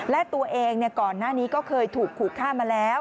และตัวเองก่อนหน้านี้ก็เคยถูกขู่ฆ่ามาแล้ว